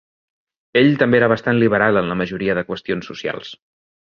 Ell també era bastant liberal en la majoria de qüestions socials.